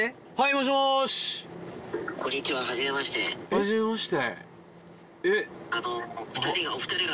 ⁉はじめまして。